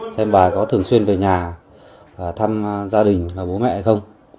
xem bà có thường xuyên về nhà thăm gia đình bố mẹ hay không